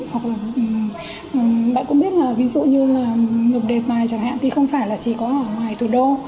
hoặc là bạn cũng biết là ví dụ như là nộp đề tài chẳng hạn thì không phải là chỉ có ở ngoài thủ đô